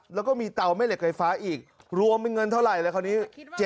แล้วก็มีเตาแม่เหล็กไฟฟ้าอีกรวมเป็นเงินเท่าไหร่เลยคราวนี้